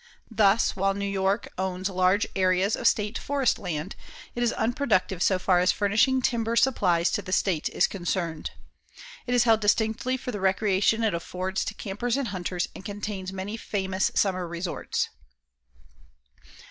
Thus, while New York owns large areas of state forest land, it is unproductive so far as furnishing timber supplies to the state is concerned. It is held distinctly for the recreation it affords to campers and hunters, and contains many famous summer resorts.